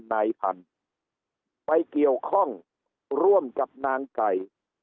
นายพันธุ์ไปเกี่ยวข้องร่วมกับนางไก่